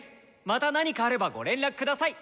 また何かあればご連絡下さい！